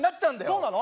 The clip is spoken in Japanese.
そうなの？